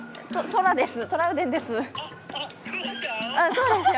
トラウデンです。